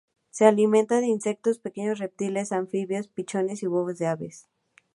Se alimenta de insectos, pequeños reptiles, anfibios, pichones y huevos de aves.